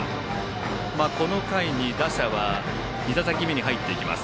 この回に、打者は２打席目に入っていきます。